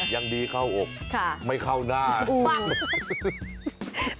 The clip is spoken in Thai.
ยังดีเข้าอกไม่เข้าหน้าเลย